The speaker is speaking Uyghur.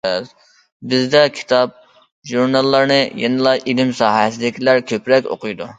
بىزدە كىتاب-ژۇرناللارنى يەنىلا ئىلىم ساھەسىدىكىلەر كۆپرەك ئوقۇيدۇ.